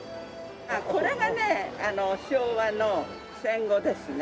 これがね昭和の戦後ですね。